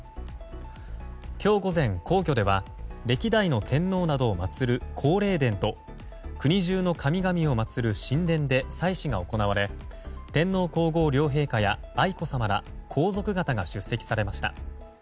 今日午前、皇居では歴代の天皇などを祭る皇霊殿と国中の神々を祭る神殿で祭祀が行われ天皇・皇后両陛下や愛子さまら皇族方が出席されました。